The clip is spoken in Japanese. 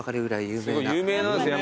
有名なんですね